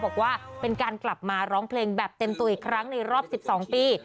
บอกว่าเป็นการกลับมาร้องเพลงแบบเต็มตัวอีกครั้งในรอบ๑๒ปี